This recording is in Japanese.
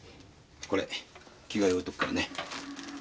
これ着替え置いとくからね。